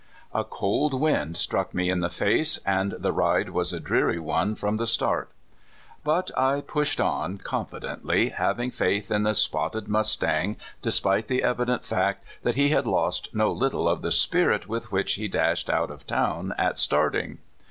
A cold wind struck me in the face, and the ride was a dreary one from the start. But I pushed on con fidently, having faith in the spotted mustang, de spite the evident fact that he had lost no little of the spirit with which he dashed out of town at starting.